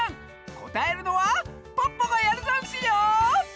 こたえるのはポッポがやるざんすよ！